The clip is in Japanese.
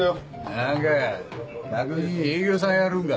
何かぁたくみ営業さんやるんか。